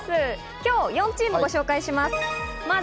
今日は４チームをご紹介します。